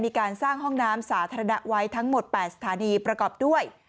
มีการสร้างห้องน้ำสาธารณะไว้ทั้งหมด๘สถานีประกอบด้วย